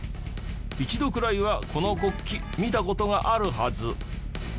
一度くらいはこの国旗見た事があるはず。